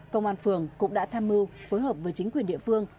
công an phường cũng đã tham mưu phối hợp với chính quyền địa phương